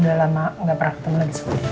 udah lama gak pernah ketemu lagi sama dia